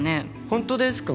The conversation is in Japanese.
本当ですか？